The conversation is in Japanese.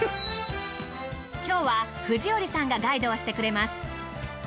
今日は藤織さんがガイドをしてくれます。